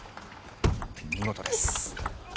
見事です。